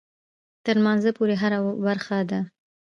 تر لمانځه پورې هره برخه ده.